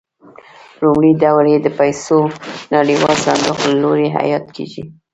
لومړی ډول یې د پیسو نړیوال صندوق له لوري حیات کېږي.